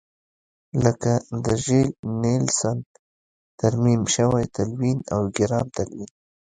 لکه د ژیل نیلسن ترمیم شوی تلوین او ګرام تلوین.